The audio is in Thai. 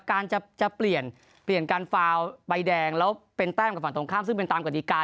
การจะเปลี่ยนการฟาวล์ว์ใบแดงแล้วเป็นแต้งต่างกับฝั่งตรงข้ามซึ่งเป็นตามกฎิกา